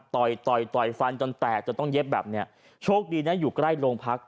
ต่อยต่อยต่อยฟันจนแตกจนต้องเย็บแบบเนี้ยโชคดีนะอยู่ใกล้โรงพัก